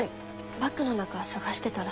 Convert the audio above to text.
バッグの中探してたら。